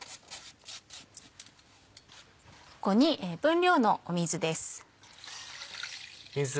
ここに分量の水です。